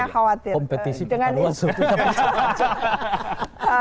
saya khawatir kompetisi betul